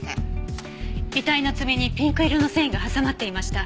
遺体の爪にピンク色の繊維が挟まっていました。